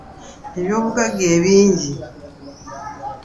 Ebyobugagga ebingi.